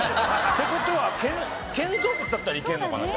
って事は建造物だったらいけるのかな？